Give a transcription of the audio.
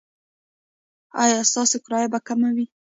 ایا ستاسو کرایه به کمه وي؟